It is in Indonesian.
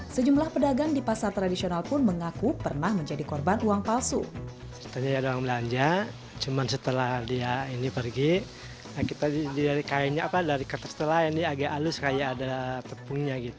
sejumlah pedagang di pasar tradisional pun mengaku pernah menjadi korban uang palsu